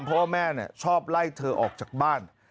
เพราะว่าแม่ชอบไล่เธอออกจากบ้าน